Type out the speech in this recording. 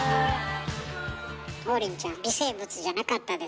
王林ちゃん微生物じゃなかったです。